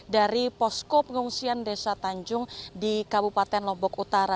dari posko pengungsian desa tanjung di kabupaten lombok utara